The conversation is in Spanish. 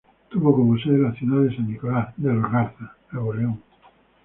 Tuvo como sede la ciudad de San Nicolas de los Garza, Nuevo León.